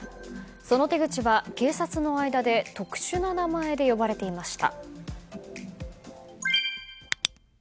その手口は警察の間で特殊な名前で呼ばれていました。